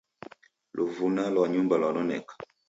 Luvuna lwa nyumba lwanoneka